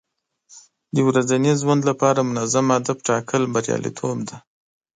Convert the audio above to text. د ورځني ژوند لپاره منظم هدف ټاکل بریالیتوب دی.